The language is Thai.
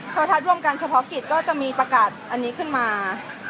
โทรทัศน์ร่วมกันเฉพาะกิจก็จะมีประกาศอันนี้ขึ้นมา